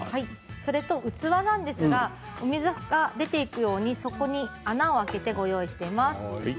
それと器なんですが水が出ていくように底に穴を開けてご用意しています。